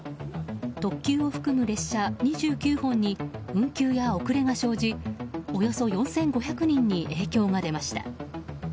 特急を含む列車２９本に運休や遅れが生じおよそ４５００人に影響が出ました。